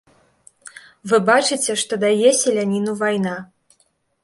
Вы бачыце, што дае селяніну вайна.